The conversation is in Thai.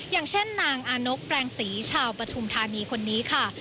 อย่างเช่นนางอานกแปลงศรีชาวปฐุมธานีคนนี้ค่ะ